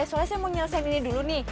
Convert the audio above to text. soalnya saya mau nyelesain ini dulu nih